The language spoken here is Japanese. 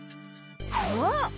そう！